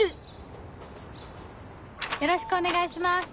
よろしくお願いします。